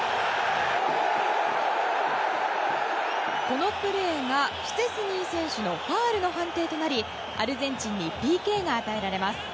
このプレーがシュチェスニー選手のファウルの判定となりアルゼンチンにＰＫが与えられます。